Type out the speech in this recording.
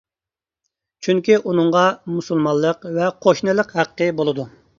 چۈنكى ئۇنىڭغا مۇسۇلمانلىق ۋە قوشنىلىق ھەققى بولىدۇ.